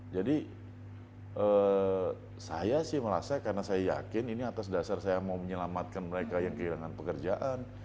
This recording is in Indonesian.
jadi saya sih malah saya karena saya yakin ini atas dasar saya mau menyelamatkan mereka yang kehilangan pekerjaan